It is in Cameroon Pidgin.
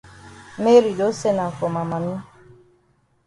Mary don send am for ma mami.